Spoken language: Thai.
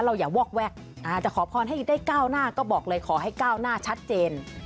อย่าวอกแวะจะขอพรให้ได้ก้าวหน้าก็บอกเลยขอให้ก้าวหน้าชัดเจน